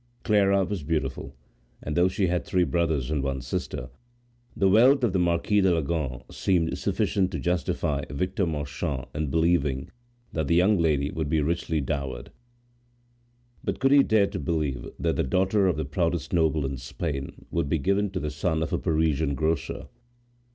Clara was beautiful; and though she had three brothers and one sister, the wealth of the Marquis de Leganes seemed sufficient to justify Victor Marchand in believing that the young lady would be richly dowered. But could he dare to believe that the daughter of the proudest noble in Spain would be given to the son of a Parisian grocer?